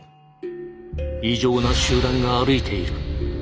異常な集団が歩いている。